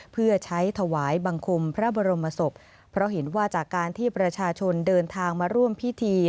เพื่อใช้ถวายบังคมพระบรมศพเพราะเห็นว่าจากการที่ประชาชนเดินทางมาร่วมพิธี